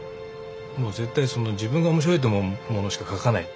もう絶対自分が面白いと思うものしか描かない。